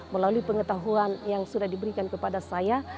melalui pengetahuan yang sudah diberikan kepada saya